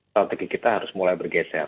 strategi kita harus mulai bergeser